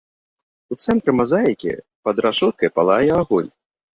У цэнтры мазаікі пад рашоткай палае агонь.